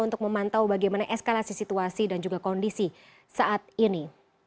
untuk memantau bagaimana eskalasi situasi dan juga kondisi saat ini